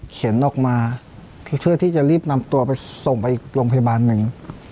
ออกมาเพื่อที่จะรีบนำตัวไปส่งไปอีกโรงพยาบาลหนึ่ง